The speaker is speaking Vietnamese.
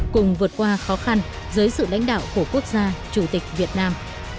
cùng vượt qua khó khăn dưới sự lãnh đạo của quốc gia chủ tịch việt nam